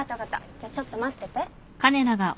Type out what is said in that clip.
じゃあちょっと待ってて。